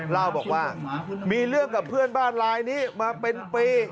เล่าบอกว่ามีเรื่องกับเพื่อนบ้านลายนี้มาเป็นปี